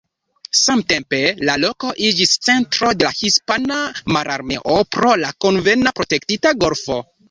Samtempe la loko iĝis centro de la hispana mararmeo pro la konvena protektita golfo.